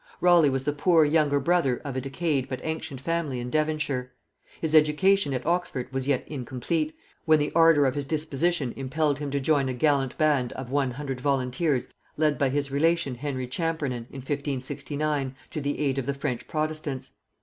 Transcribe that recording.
Raleigh was the poor younger brother of a decayed but ancient family in Devonshire. His education at Oxford was yet incomplete, when the ardor of his disposition impelled him to join a gallant band of one hundred volunteers led by his relation Henry Champernon, in 1569, to the aid of the French protestants.